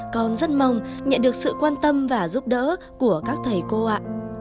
con rất mong nhận được sự quan tâm và giúp đỡ của các thầy cô ạ